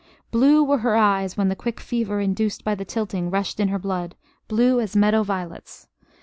Blue were her eyes when the quick fever induced by the tilting rushed in her blood blue as meadow violets.